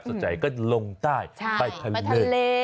สนใจก็จะลงใต้ไปทะเล